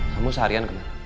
kamu seharian ben